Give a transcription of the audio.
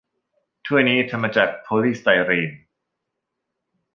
ถ้วยนี้ทำมาจากโพลีสไตรีน